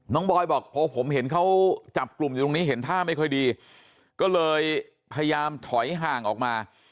บอยบอกพอผมเห็นเขาจับกลุ่มอยู่ตรงนี้เห็นท่าไม่ค่อยดีก็เลยพยายามถอยห่างออกมา